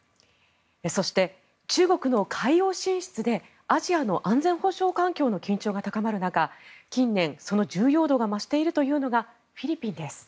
そして、中国の海洋進出でアジアの安全保障環境の緊張が高まる中、近年その重要度が増しているのがフィリピンです。